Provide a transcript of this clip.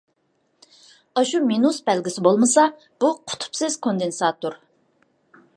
ئاشۇ مىنۇس بەلگىسى بولمىسا، بۇ قۇتۇپسىز كوندېنساتور.